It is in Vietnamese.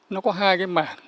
nó có hai cái mảng